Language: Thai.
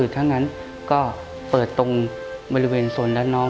ถ้างั้นก็เปิดตรงบริเวณโซนด้านนอก